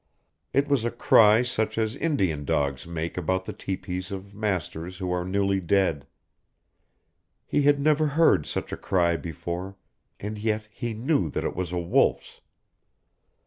It was a cry such as Indian dogs make about the tepees of masters who are newly dead. He had never heard such a cry before, and yet he knew that it was a wolf's.